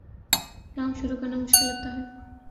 کام شروع کرنا مشکل لگتا ہے